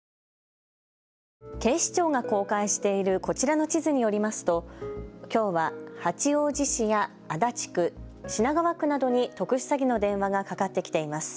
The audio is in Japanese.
警視庁が公開しているこちらの地図によりますときょうは八王子市や足立区、品川区などに特殊詐欺の電話がかかってきています。